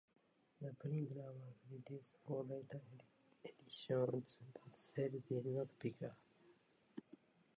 The print run was reduced for later editions, but sales did not pick up.